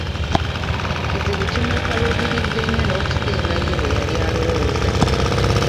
Ekizibu kimukaluubiridde nnyo n'okusinga ye bweyali alowooza.